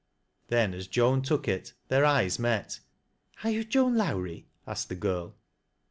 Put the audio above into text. Then as Joan took it their eyes met. " Are you Joan Lowrie ?" asked the girl.